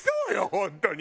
本当に。